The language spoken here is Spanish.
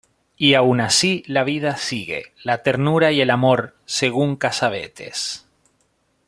Y aun así, la vida sigue: la ternura y el amor, según Cassavetes.